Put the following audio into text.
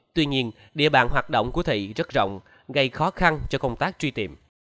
tuy nhiên địa bàn hoạt động của thị rất rộng gây khó khăn cho công tác truy tìm